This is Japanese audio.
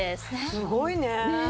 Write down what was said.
すごいね。